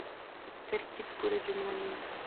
ترکیب پوره جمله نه يي.